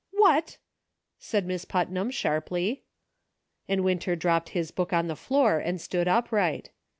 "What!" said Miss Putnam, sharply. And Winter dropped his book on the floor and stood upright.